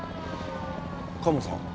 カモさん